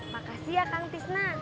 makasih ya kang tisna